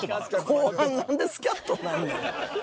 後半何でスキャットになんねん。